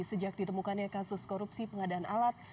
sejak ditemukannya kasus korupsi pengadaan alat